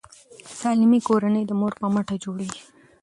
د سالمې کورنۍ د مور په مټه جوړیږي.